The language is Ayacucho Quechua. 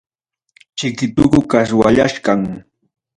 Chiki tuku qachwallachkam.